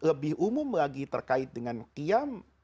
lebih umum lagi terkait dengan qiyam ramadan